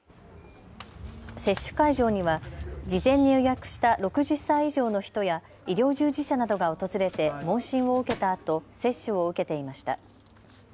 接種会場には事前に予約した６０歳以上の人や医療従事者などが訪れて問診を受けたあと接種を受けていました。